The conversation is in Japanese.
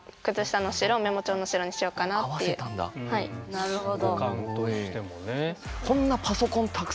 なるほど。